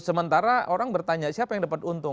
sementara orang bertanya siapa yang dapat untung